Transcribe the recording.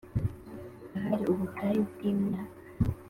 ahari 'ubutayu bwimyaka